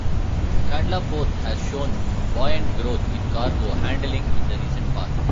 Kandla Port has shown buoyant growth in cargo handling in the recent past.